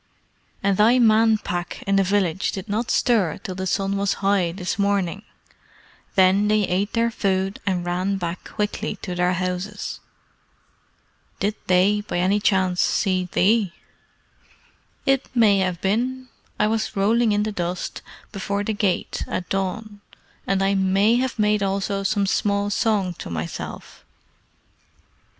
"And thy Man Pack in the village did not stir till the sun was high this morning. Then they ate their food and ran back quickly to their houses." "Did they, by chance, see thee?" "It may have been. I was rolling in the dust before the gate at dawn, and I may have made also some small song to myself.